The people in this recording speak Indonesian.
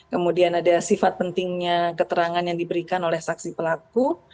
kemudian ada sifat pentingnya keterangan yang diberikan oleh saksi pelaku